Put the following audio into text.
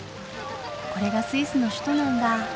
これがスイスの首都なんだ。